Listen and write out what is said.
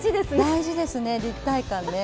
大事ですね立体感ね。